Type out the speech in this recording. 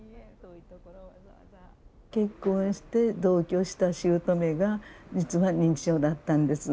結婚して同居した姑が実は認知症だったんです。